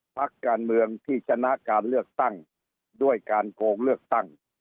พักการเมืองที่ชนะการเลือกตั้งด้วยการโกงเลือกตั้ง